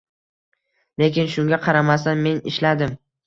Lekin shunga qaramasdan men ishladim.